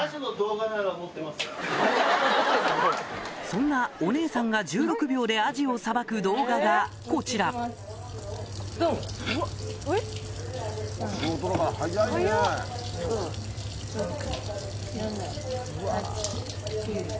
そんなお姉さんが１６秒でアジをさばく動画がこちら仕事だから速いね！